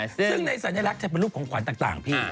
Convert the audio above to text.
ซึ่งในสัญลักษณ์จะเป็นรูปของขวัญต่างพี่